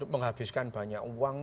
menghabiskan banyak uang